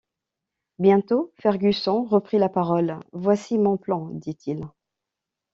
Bientôt Fergusson reprit la parole: « Voici mon plan, dit-il.